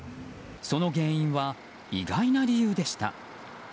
その原因は、意外な理由でした。